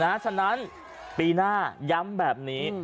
ฉะนั้นปีหน้าย้ำแบบนี้